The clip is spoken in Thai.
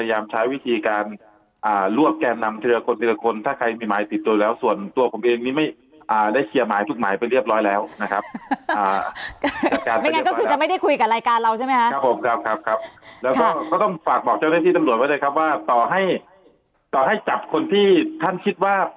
อ่ะเจ้าการไม่งั้นก็คือไม่ได้